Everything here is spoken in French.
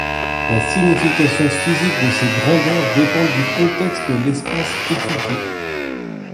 La signification physique de ces grandeurs dépend du contexte de l'espace étudié.